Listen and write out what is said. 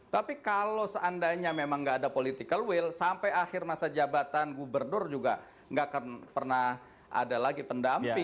tapi kalau seandainya memang nggak ada political will sampai akhir masa jabatan gubernur juga nggak akan pernah ada lagi pendamping